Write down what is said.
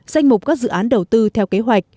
danh mục các dự án đầu tư theo kế hoạch